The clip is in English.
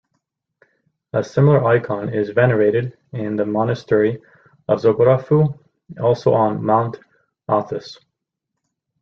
A similar icon is venerated in the Monastery of Zographou, also on Mount Athos.